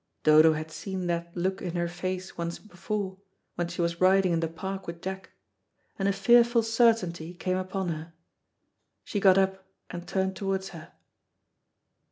Dodo had seen that look in her face once before, when she was riding in the Park with Jack, and a fearful certainty came upon her. She got up and turned towards her.